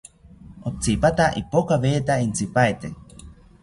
Otsipata ipokaweta intzipaete